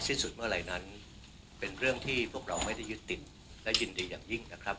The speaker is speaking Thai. สุดเมื่อไหร่นั้นเป็นเรื่องที่พวกเราไม่ได้ยึดติดและยินดีอย่างยิ่งนะครับ